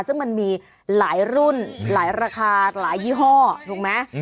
ซึ่งมันมีหลายรุ่นหลายราคาหลายยี่ห้อถูกไหม